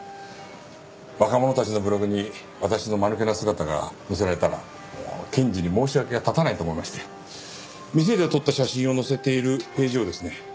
若者たちのブログに私のまぬけな姿が載せられたら検事に申し訳が立たないと思いまして店で撮った写真を載せているページをですね